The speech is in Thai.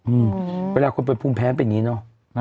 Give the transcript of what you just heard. อืมเวลาคนเป็นภูมิแพ้เป็นอย่างนี้เนอะ